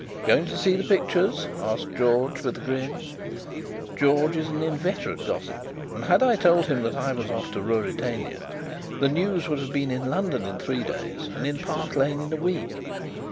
"Going to see the pictures?" asked George, with a grin. George is an inveterate gossip, and had I told him that I was off to Ruritania, the news would have been in London in three days and in Park Lane in a week.